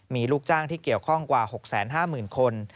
มีลูกจ้างที่เกี่ยวข้องกว่า๖๕๐๐๐คน